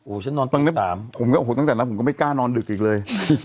ฉันนอนตั้งได้แบบผมก็โอ้โหตั้งแต่นั้นผมก็ไม่กล้านอนดึกอีกเลย